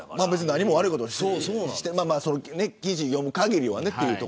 何も悪いことはしていない記事を読む限りは。